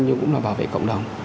nhưng cũng là bảo vệ cộng đồng